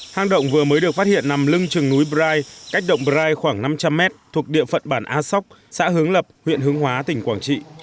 hang động vừa mới được phát hiện nằm lưng trường núi bright cách động bright khoảng năm trăm linh mét thuộc địa phận bản a sóc xã hướng lập huyện hướng hóa tỉnh quảng trị